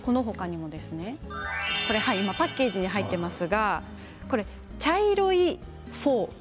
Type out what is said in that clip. パッケージに入っていますが茶色い